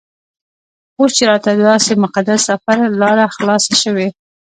اوس چې راته دداسې مقدس سفر لاره خلاصه شوې.